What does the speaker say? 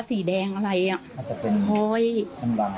สีแดงอะไรอ่ะ